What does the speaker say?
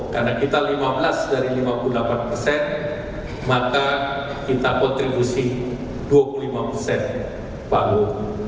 karena kita lima belas dari lima puluh delapan maka kita kontribusi dua puluh lima pak prabowo